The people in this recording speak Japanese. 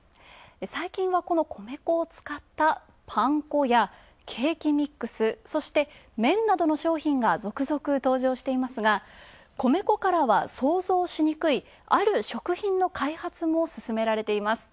最近は、この米粉を使ったパン粉やケーキミックス、そして麺などの商品が続々登場していますが、米粉からは想像しにくい、ある食品の開発も進められています。